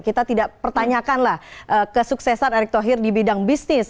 kita tidak pertanyakanlah kesuksesan erick thohir di bidang bisnis